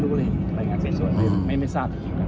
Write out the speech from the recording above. ผมว่าในรายงานสิบสวนในการสิบสวนนี้ก็น่าจะเพื่อหนึ่งเจอบุคคลตามหมายจับ